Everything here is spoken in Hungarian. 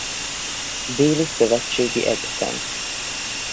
Déli Szövetségi Egyetem